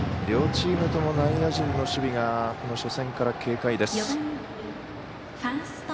両チームとも内野陣の守備が初戦から軽快です。